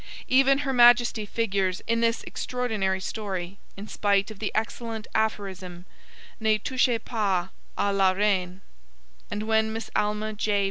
Even Her Majesty figures in this extraordinary story in spite of the excellent aphorism ne touchez pas a la reine; and when Miss Alma J.